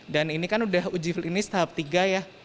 dan ini kan udah uji klinis tahap tiga ya